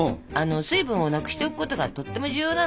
水分をなくしておくことがとっても重要なの。